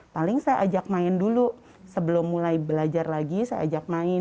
paling saya ajak main dulu sebelum mulai belajar lagi saya ajak main